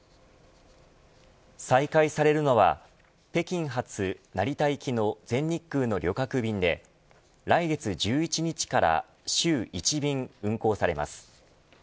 再開されるのは北京発成田行きの全日空の旅客便で来月１１日から週１便運航されます。